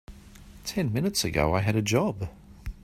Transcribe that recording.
Ten minutes ago I had a job.